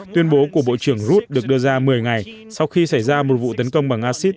tuyên bố của bộ trưởng ruth được đưa ra một mươi ngày sau khi xảy ra một vụ tấn công bằng asit